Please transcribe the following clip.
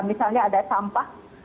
misalnya ada sampah